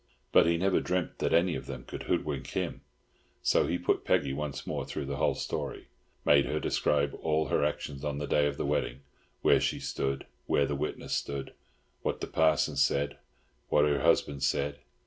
But he never dreamt that any of them could hoodwink him; so he put Peggy once more through the whole story,—made her describe all her actions on the day of the wedding, where she stood, where the witness stood, what the parson said, what her husband said.